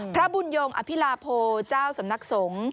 พระบุญยงอภิลาโพเจ้าสำนักสงฆ์